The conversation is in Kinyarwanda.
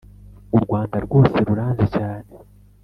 u rwanda rwose ruranzi cyane